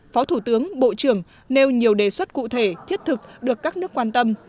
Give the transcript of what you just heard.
phó thủ tướng bộ trưởng nêu nhiều đề xuất cụ thể thiết thực được các nước quan tâm